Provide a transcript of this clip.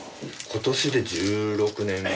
今年で１６年目。